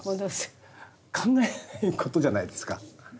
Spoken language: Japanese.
考えられないことじゃないですか。